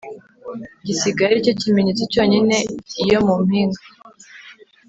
gisigaye ari cyo kimenyetso cyonyine iyo mu mpinga.